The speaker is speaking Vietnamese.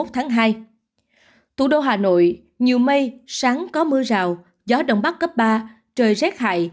thủ đô hà nội nhiều mây sáng có mưa rào gió đông bắc cấp ba trời rét hại